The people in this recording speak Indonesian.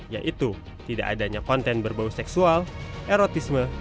yaitu tidak adanya konten berbau seksual erotisme